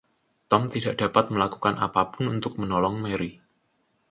Tom tidak dapat melakukan apapun untuk menolong Mary.